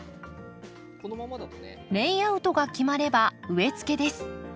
レイアウトが決まれば植えつけです。